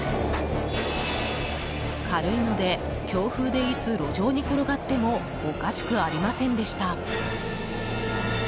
軽いので、強風でいつ路上に転がってもおかしくありませんでした。